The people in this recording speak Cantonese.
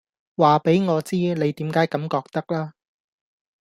話畀我知你點解咁覺得啦